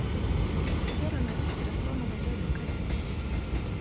А цяпер у нас падрасло маладое пакаленне.